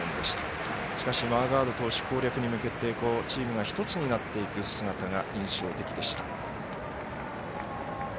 しかしマーガード投手、攻略に向けてチームが１つになっていく姿が印象的でした。